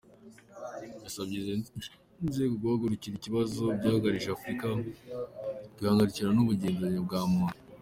Yasabye izi nzego guhagurukira ibibazo byugarije Afurika ku ibangamirwa ry’uburenganzira bwa muntu.